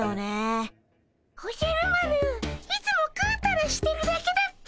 おじゃる丸いつもグータラしてるだけだっピ。